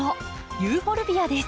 ユーフォルビアです。